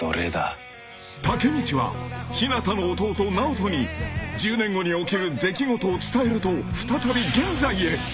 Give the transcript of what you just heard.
［タケミチは日向の弟直人に１０年後に起きる出来事を伝えると再び現在へ］